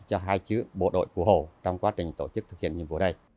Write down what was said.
cho hai chứ bộ đội cụ hồ trong quá trình tổ chức thực hiện nhiệm vụ đây